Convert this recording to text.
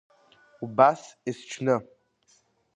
Убас есҽны…